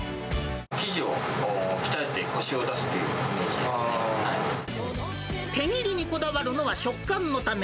生地を鍛えてこしを出すって手切りにこだわるのは、食感のため。